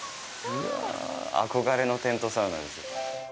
憧れのテントサウナです。